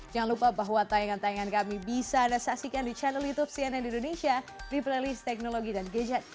jangan lupa bahwa tayangan tayangan kami bisa anda saksikan di channel youtube cnn indonesia di playlist teknologi dan gadget